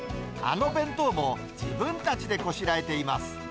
あの弁当も、自分たちでこしらえています。